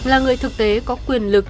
là người thực tế có quyền lực